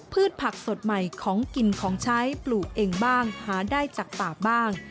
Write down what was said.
ผักสดใหม่ของกินของใช้ปลูกเองบ้างหาได้จากป่าบ้าง